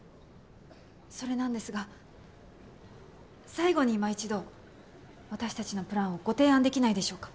それなんですが最後に今一度私たちのプランをご提案できないでしょうか？